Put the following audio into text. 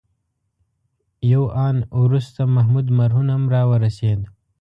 یو آن وروسته محمود مرهون هم راورسېد.